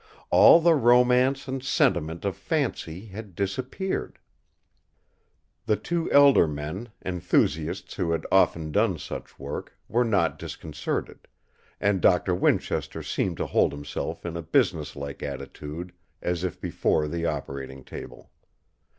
All the romance and sentiment of fancy had disappeared. The two elder men, enthusiasts who had often done such work, were not disconcerted; and Doctor Winchester seemed to hold himself in a business like attitude, as if before the operating table.